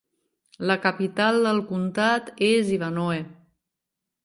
La capital del comtat és Ivanhoe.